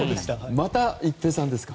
また一平さんですか？